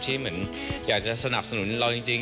เหมือนอยากจะสนับสนุนเราจริง